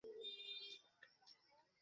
বিধান দেবার অধিকার কেবল আল্লাহর।